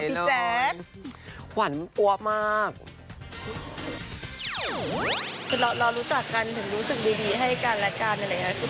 คือเรารู้จักกันถึงรู้สึกดีให้กันและกันอะไรอย่างนี้